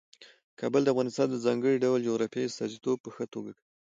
کابل د افغانستان د ځانګړي ډول جغرافیې استازیتوب په ښه توګه کوي.